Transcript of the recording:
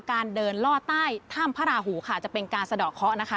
การเดินล่อใต้ถ้ำพระราหูค่ะจะเป็นการสะดอกเคาะนะคะ